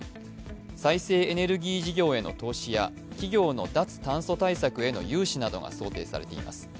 再生エネルギー事業への投資や、企業の脱炭素対策への融資などが想定されています。